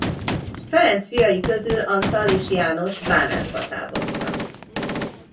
Ferenc fiai közül Antal és János a Bánátba távoztak.